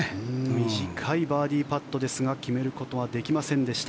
短いバーディーパットですが決めることはできませんでした。